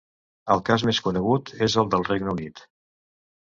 El cas més conegut és el del Regne Unit.